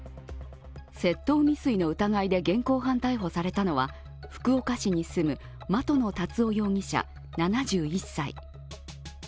窃盗未遂の疑いで現行犯逮捕されたのは福岡市に住む的野達生容疑者７１歳。